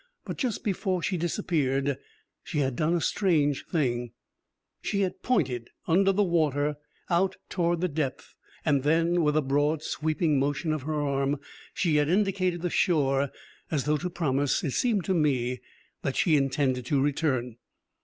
But just before she disappeared, she had done a strange thing. She had pointed, under the water, out towards the depth, and then, with a broad, sweeping motion of her arm, she had indicated the shore, as though to promise, it seemed to me, that she intended to return.